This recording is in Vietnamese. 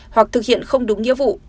hoặc thực hiện không đúng nghĩa vụ